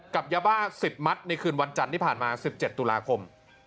กับยาบ้า๑๐มัตต์ในคืนวันจันทร์ที่ผ่านมา๑๗ตุลาคม